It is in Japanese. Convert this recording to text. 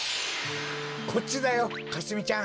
こっちだよかすみちゃん。